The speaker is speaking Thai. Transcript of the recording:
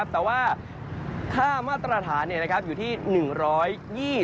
แต่ว่าค่ามาตรฐานอยู่ที่๑๒๐บาท